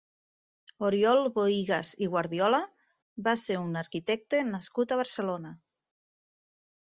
Oriol Bohigas i Guardiola va ser un arquitecte nascut a Barcelona.